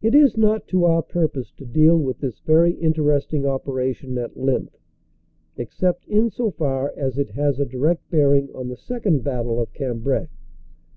It is not to our purpose to deal with this very interesting operation at length, except insofar as it has a direct bearing on the second battle of Cambrai.